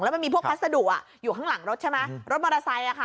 มันมีพวกพัสดุอยู่ข้างหลังรถใช่ไหมรถมอเตอร์ไซค์